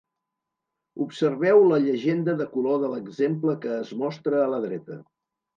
Observeu la llegenda de color de l'exemple que es mostra a la dreta.